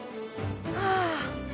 はあ。